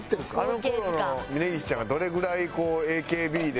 あの頃の峯岸ちゃんがどれぐらいこうＡＫＢで。